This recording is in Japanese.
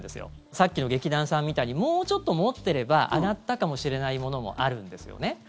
さっきの劇団さんみたいにもうちょっと持っていれば上がったかもしれないものもあるんですよね。